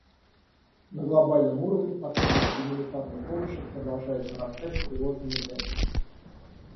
На глобальном уровне потребность в гуманитарной помощи продолжает нарастать тревожными темпами.